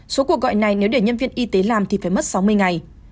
số cuộc gọi này nếu để nhân viên y tế làm thì phải mất sáu mươi ngày